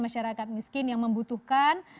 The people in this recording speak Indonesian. masyarakat miskin yang membutuhkan